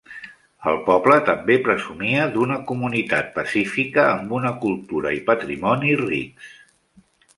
El poble també presumia d'una comunitat pacífica amb una cultura i patrimoni rics.